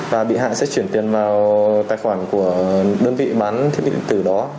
và bị hạn sẽ chuyển tiền vào tài khoản của đơn vị bán thiết bị điện tử đó